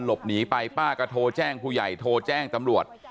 หลบหนีไปป้าก็โทรแจ้งผู้ใหญ่โทรแจ้งตำรวจ